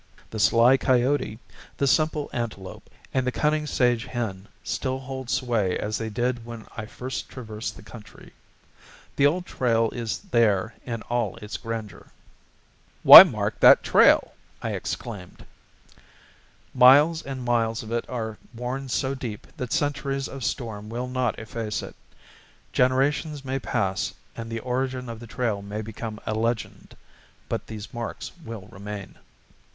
The sly coyote, the simple antelope, and the cunning sage hen still hold sway as they did when I first traversed the country. The old trail is there in all its grandeur. [Illustration: Monument at Pocatello, Idaho.] "Why mark that trail!" I exclaimed. Miles and miles of it are worn so deep that centuries of storm will not efface it; generations may pass and the origin of the trail may become a legend, but these marks will remain.